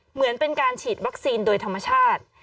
เหมือนเป็นการฉีดวัคซีนโดยธรรมชาติ